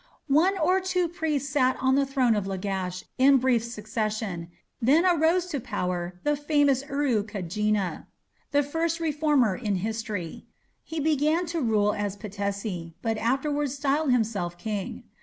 One or two priests sat on the throne of Lagash in brief succession, and then arose to power the famous Urukagina, the first reformer in history. He began to rule as patesi, but afterwards styled himself king.